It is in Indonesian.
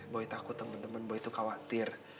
boy takut temen temen boy itu khawatir